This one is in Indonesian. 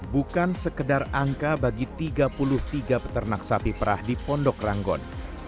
bukan sekedar angka bagi tiga puluh tiga peternak sapi perah di pondok ranggon